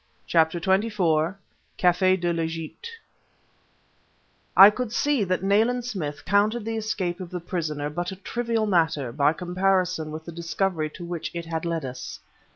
CHAPTER XXIV CAFÉ DE L'EGYPTE I could see that Nayland Smith counted the escape of the prisoner but a trivial matter by comparison with the discovery to which it had led us.